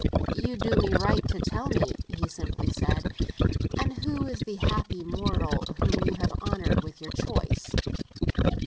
"You do right to tell me," he simply said. "And who is the happy mortal whom you have honoured with your choice?"